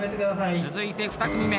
続いて２組目。